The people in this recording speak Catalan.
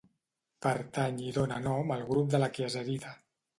Pertany i dóna nom al grup de la kieserita.